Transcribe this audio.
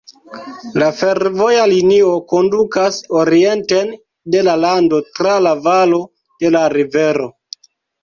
La fervoja linio kondukas orienten de la lando tra la valo de la rivero.